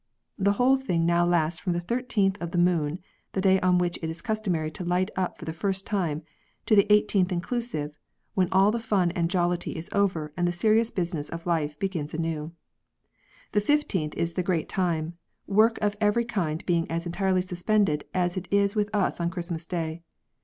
The whole thing now lasts from the 13th of the moon, the day on which it is customary to light up for the first time, to the 18th inclusive, when all the fun and jollity is over and the serious business of life begins anew. The 15 th is the great time, work of every kind being as entirely suspended as it is with us on Christmas Day.